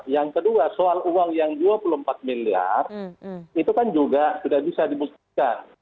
yang kedua soal uang yang dua puluh empat miliar itu kan juga sudah bisa dibuktikan